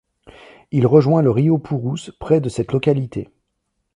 Il rejoint le rio Purus près de cette localité.